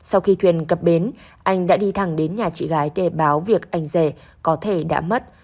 sau khi thuyền cập bến anh đã đi thẳng đến nhà chị gái kể báo việc anh rể có thể đã mất